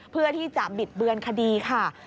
เพื่อที่จะบิดเบือนคดีค่ะ